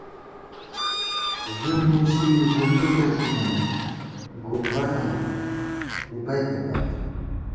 زُوم نِشی بُمبُکے ݪِمېت ، گُمبَتہ لِپَئیکےپت